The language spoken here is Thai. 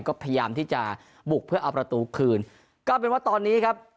ก็พยายามที่จะบุกเพื่อเอาประตูคืนก็เป็นว่าตอนนี้ครับ